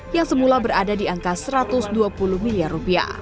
yang semula berada di angka rp satu ratus dua puluh miliar